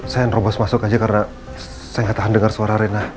saya nerobos masuk aja karena saya gak tahan dengar suara rena